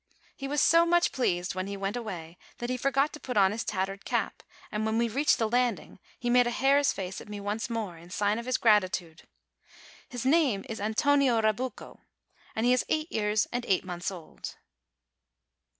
He was so much pleased when he went away that he forgot to put on his tattered cap; and when we reached the landing, he made a hare's face at me once more in sign of his gratitude. His name is Antonio Rabucco, and he is eight years and eight months old.